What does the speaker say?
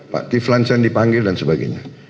pak kiflansen dipanggil dan sebagainya